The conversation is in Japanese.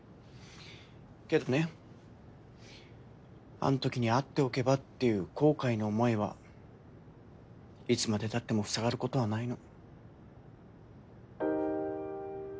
けどねあんときに会っておけばっていう後悔の思いはいつまでたってもふさがることはないの。